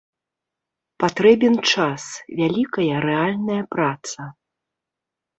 Патрэбен час, вялікая рэальная праца.